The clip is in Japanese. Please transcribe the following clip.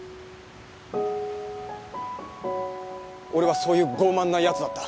俺はそういう傲慢な奴だった。